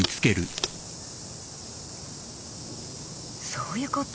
そういうこと。